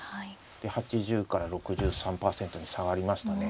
で８０から６３％に下がりましたねなぜかね。